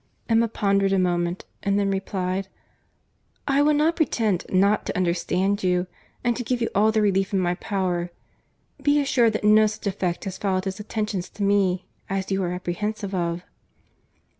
Emma pondered a moment, and then replied, "I will not pretend not to understand you; and to give you all the relief in my power, be assured that no such effect has followed his attentions to me, as you are apprehensive of."